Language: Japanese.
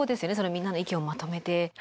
みんなの意見をまとめて。